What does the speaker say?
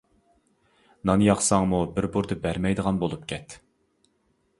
نان ياقساڭمۇ بىر بۇردا بەرمەيدىغان بولۇپ كەت.